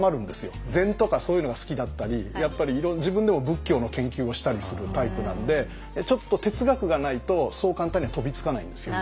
禅とかそういうのが好きだったりやっぱり自分でも仏教の研究をしたりするタイプなんでちょっと哲学がないとそう簡単には飛びつかないんですよ。